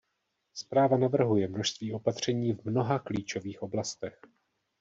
Zpráva navrhuje množství opatření v mnoha klíčových oblastech.